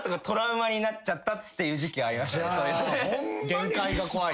限界が怖い。